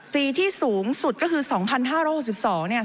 ปีที่สูงสุดก็คือสองพันห้าร้อยห้าร้อยสิบสองเนี่ย